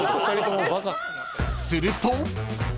［すると］